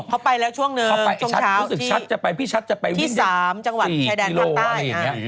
เขาไปแล้วช่วงนึงช้าวที่๓จังหวัดชายแดนทางใต้